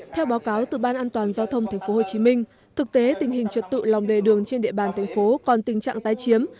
theo báo cáo từ ban an toàn giao thông tp hcm thực tế tình hình trật tự lòng đề đường trên địa bàn thành phố còn tình trạng tái chiếm